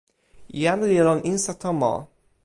jan li lon insa tomo.